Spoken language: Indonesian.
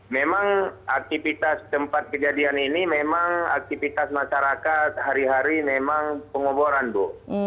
memang aktivitas tempat kejadian ini memang aktivitas masyarakat hari hari memang pengoboran bu